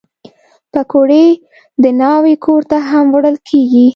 پکورې د ناوې کور ته هم وړل کېږي